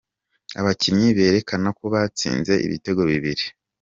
Abakinnyi berekana ko batsinze ibitego bibiri.